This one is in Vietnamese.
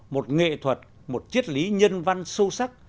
một nghệ thuật một chiếc lý nhân văn sâu sắc